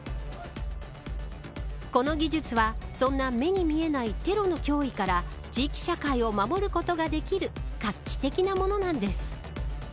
この技術は、そんな目に見えないテロの脅威から地域社会を守ることができる画期的なものなんです。